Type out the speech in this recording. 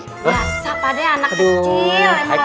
ya siapa deh anak kecil